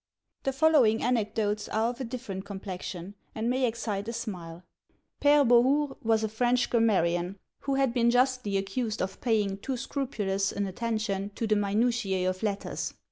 The following anecdotes are of a different complexion, and may excite a smile. Père Bohours was a French grammarian, who had been justly accused of paying too scrupulous an attention to the minutiæ of letters.